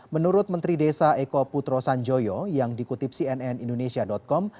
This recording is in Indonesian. menurut menteri desa eko putro sanjoyo yang dikutip cnn indonesia com